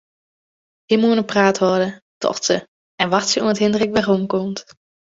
Him oan 'e praat hâlde, tocht se, en wachtsje oant Hindrik weromkomt.